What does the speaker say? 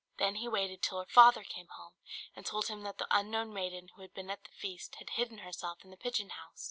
Then he waited till her father came home, and told him that the unknown maiden who had been at the feast had hidden herself in the pigeon house.